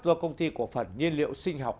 do công ty cổ phần nhiên liệu sinh học